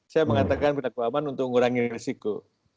saya mengatakan berperilaku aman untuk mengurangi resiko